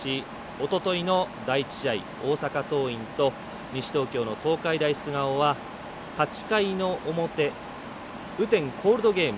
おとといの第１試合大阪桐蔭と西東京の東海大菅生は８回の表、雨天コールドゲーム。